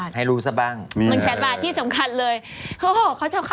แฟนหุ่นนี้หรือเปล่า